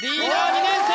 ２年生